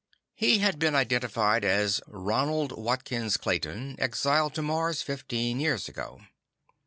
He has been identified as Ronald Watkins Clayton, exiled to Mars fifteen years ago.